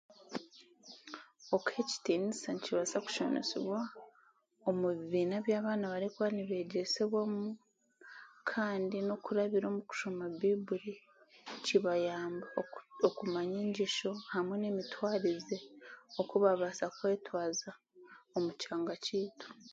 Okuha ekitinisa nikibaasa kushomesebwa omu bibiina by'abaana barikuba nibegyesebwamu kandi n'okurabira omu kushoma baiburi, kibayamba okumanya engyesho hamwe n'emitwarize okubakubaasa kwetwaza omu kyanga kyeitu.